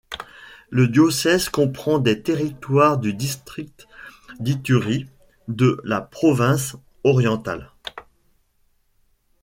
Le diocèse comprend des territoires du district d'Ituri de la province orientale.